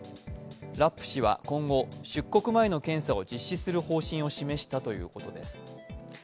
ラップ氏は今後、出国前の検査を実施する方針を示したということです。